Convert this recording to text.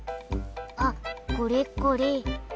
あっこれこれ。